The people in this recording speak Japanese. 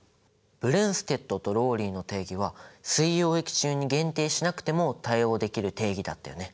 ブレンステッドとローリーの定義は水溶液中に限定しなくても対応できる定義だったよね。